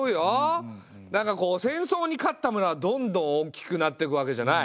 なんかこう戦争に勝ったムラはどんどん大きくなってくわけじゃない。